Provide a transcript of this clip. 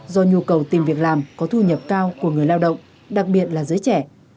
do nhu cầu tìm việc làm có thu nhập cao của người lao động đặc biệt là giới trẻ